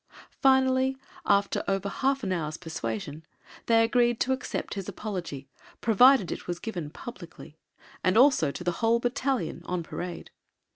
Finally, after over half an hour's persuasion, they agreed to accept his apology, provided it was given publicity, and also to the whole battalion on parade.